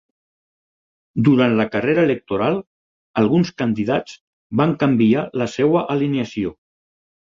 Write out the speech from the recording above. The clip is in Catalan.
Durant la carrera electoral, alguns candidats van canviar la seva alineació.